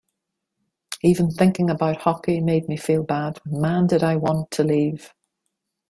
Even thinking about hockey made me feel bad, man did I want to leave.